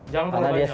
jangan terlalu banyak